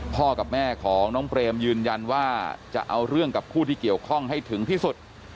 กับแม่ของน้องเปรมยืนยันว่าจะเอาเรื่องกับผู้ที่เกี่ยวข้องให้ถึงที่สุด